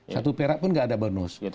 satu perak pun nggak ada bonus